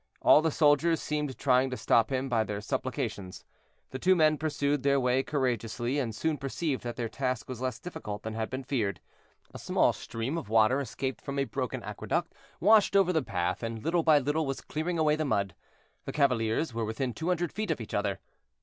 All the soldiers seemed trying to stop him by their supplications. The two men pursued their way courageously, and soon perceived that their task was less difficult than had been feared. A small stream of water, escaped from a broken aqueduct, washed over the path, and little by little was clearing away the mud. The cavaliers were within two hundred feet of each other.